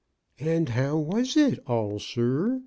*' And how was it all, sir?